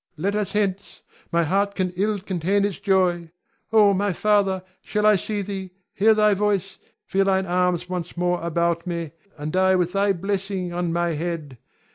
Ion. Let us hence; my heart can ill contain its joy. Oh, my father, shall I see thee, hear thy voice, feel thine arms once more about me, and die with thy blessing on my head.